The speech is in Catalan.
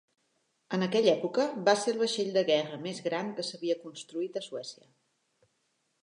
En aquella època, va ser el vaixell de guerra més gran que s'havia construït a Suècia.